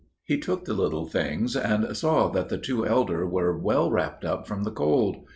He took the little things, and saw that the two elder were well wrapped up from the cold.